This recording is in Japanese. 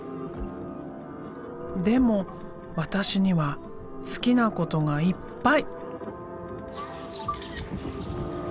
「でもわたしには好きなことがいっぱい！」。